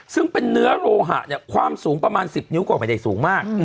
ซึ่งเป็นเนื้อโลหะเนี่ยความสูงประมาณ๑๐นิ้วก็ไม่ได้สูงมาก